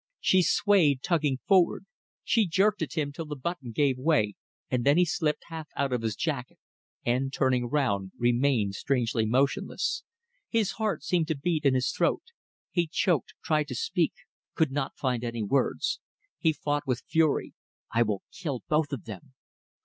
He swayed, tugging forward. She jerked at him till the button gave way, and then he slipped half out of his jacket and, turning round, remained strangely motionless. His heart seemed to beat in his throat. He choked tried to speak could not find any words. He thought with fury: I will kill both of them.